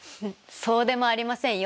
そうでもありませんよ。